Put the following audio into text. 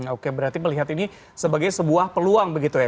oke berarti melihat ini sebagai sebuah peluang begitu ya